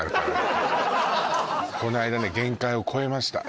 この間ね限界を超えました